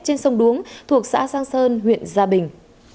trên sông đuống thuộc xã giang sơn huyện gia bình